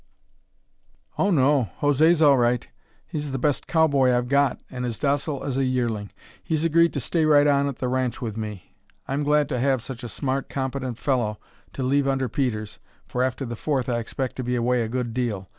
"Oh, no; José's all right. He's the best cowboy I've got and as docile as a yearling. He's agreed to stay right on at the ranch with me. I'm glad to have such a smart, competent fellow to leave under Peters, for after the Fourth I expect to be away a good deal.